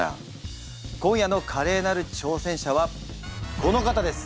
今夜のカレーなる挑戦者はこの方です！